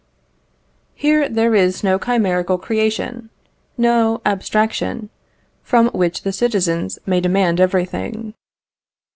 Here there is no chimerical creation, no abstraction, from which the citizens may demand everything.